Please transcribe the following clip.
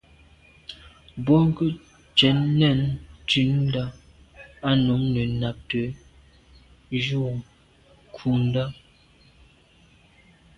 Bwɔ́ŋkə́’ cɛ̌d nɛ̂n tûʼndá á nǔm nə̀ nàptə̌ jùp kghûndá.